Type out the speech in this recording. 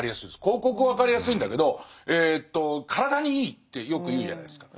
広告は分かりやすいんだけど「体にいい」ってよく言うじゃないですか。